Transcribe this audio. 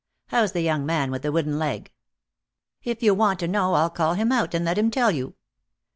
How's the young man with the wooden leg?" "If you want to know I'll call him out and let him tell you."